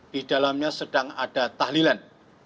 di dalamnya sedang ada tahlilan